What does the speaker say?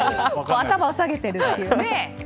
頭を下げてるというね。